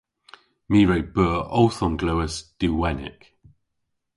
My re beu owth omglewas duwenik.